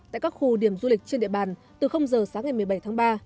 tại các khu điểm du lịch trên địa bàn từ giờ sáng ngày một mươi bảy tháng ba